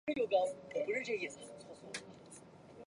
天卫十七是环绕天王星运行的一颗卫星。